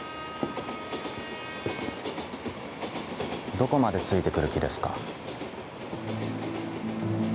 どこまでついて来る気ですか。